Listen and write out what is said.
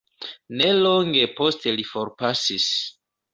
Ne longe poste li forpasis.